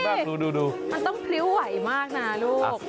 ดูมันต้องพลิ้วไหวมากนะลูก